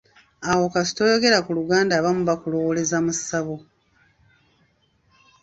Awo kasita oyogera ku Luganda abamu bakulowooleza mu ssabo.